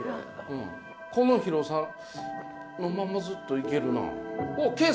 この広さこのままずっといけるな。